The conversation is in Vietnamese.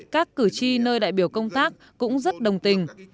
các cử tri nơi đại biểu công tác cũng rất đồng tình